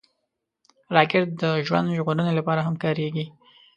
راکټ د ژوند ژغورنې لپاره هم کارېږي